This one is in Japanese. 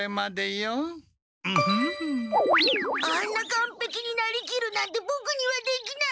かんぺきになりきるなんてボクにはできない。